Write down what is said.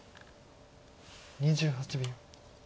２８秒。